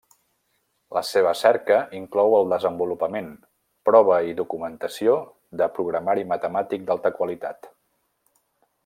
La seva cerca inclou el desenvolupament, prova i documentació de programari matemàtic d'alta qualitat.